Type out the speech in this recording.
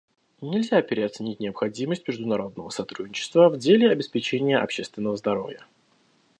Нельзя переоценить необходимость международного сотрудничества в деле обеспечения общественного здоровья.